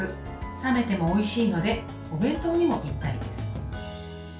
冷めてもおいしいのでお弁当にもぴったりです。